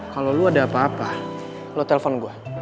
kalau lo ada apa apa lo telpon gue